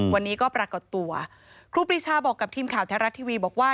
วันนี้ก็ปรากฏตัวครูปรีชาบอกกับทีมข่าวแท้รัฐทีวีบอกว่า